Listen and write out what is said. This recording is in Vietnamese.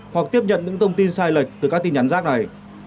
hoặc tiếp nhận những thông tin sai lệch từ các tin nhắn rác này